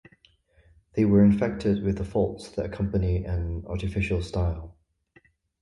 They were infected with the faults that accompany an artificial style.